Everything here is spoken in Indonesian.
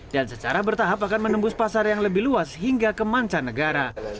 dan secara bertahap akan menembus pasar yang lebih luas hingga ke mancanegara